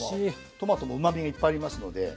トマトもうまみがいっぱいありますので。